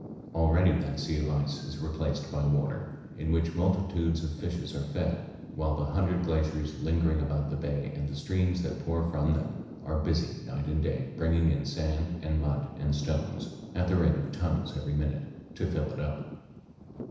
Already that sea of ice is replaced by water, in which multitudes of fishes are fed, while the hundred glaciers lingering about the bay and the streams that pour from them are busy night and day bringing in sand and mud and stones, at the rate of tons every minute, to fill it up.